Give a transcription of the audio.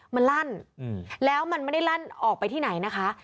มันลั่นแล้วมันไม่ได้ลั่นออกไปที่ไหนนะคะ